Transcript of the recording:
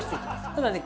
ただね